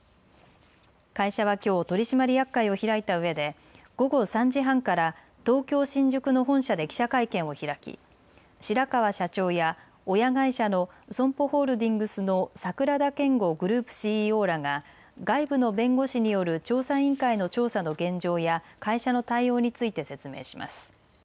会社はきょう取締役会を開いたうえで午後３時半から東京新宿の本社で記者会見を開き白川社長や親会社のＳＯＭＰＯホールディングスの櫻田謙悟グループＣＥＯらが外部の弁護士による調査委員会の調査の現状や会社の対応について説明します。